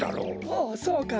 ああそうか。